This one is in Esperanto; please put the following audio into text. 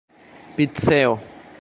piceo